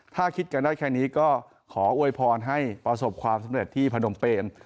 ถ้าคิดกันได้แค่นี้ก็ขออวยพรให้ประสบความสำเร็จที่พนมเปญ